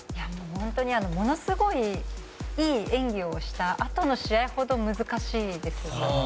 本当にものすごいいい演技をしたあとの試合ほど難しいですよね。